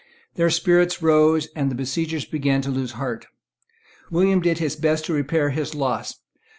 Their spirits rose; and the besiegers began to lose heart. William did his best to repair his loss.